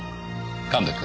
神戸君。